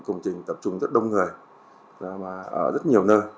công trình tập trung rất đông người ở rất nhiều nơi